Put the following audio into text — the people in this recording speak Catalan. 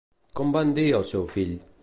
Com van dir al seu fill?